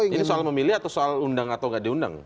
ini soal memilih atau soal undang atau nggak diundang